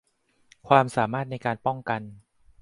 ความสามารถในการป้องกัน